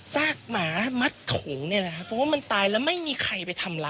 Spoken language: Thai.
คุณผู้ชมฟังเสียงคุณธนทัศน์เล่ากันหน่อยนะคะ